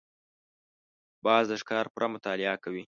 باز د ښکار پوره مطالعه کوي